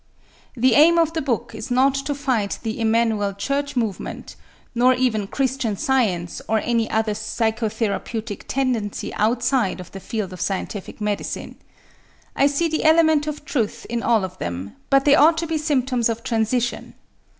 The aim of the book is not to fight the Emmanuel Church Movement, or even Christian Science or any other psychotherapeutic tendency outside of the field of scientific medicine. I see the element of truth in all of them, but they ought to be symptoms of transition.